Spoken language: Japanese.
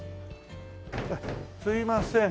すいません。